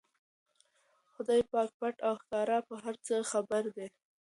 خدای پاک پټ او ښکاره په هر څه خبر دی.